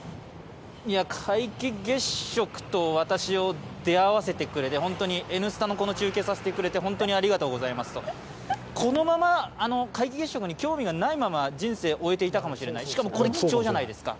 皆既月食と私を出会わせてくれて「Ｎスタ」のこの中継させてくれて本当にありがとうございますとこのまま皆既月食に興味がないまま人生を終えていたかもしれない、しかも、これ貴重じゃないですか。